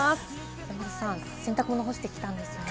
山里さん、洗濯物干してきたんですよね？